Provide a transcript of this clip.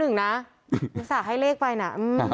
อรุณสาหกให้เลขไปนะ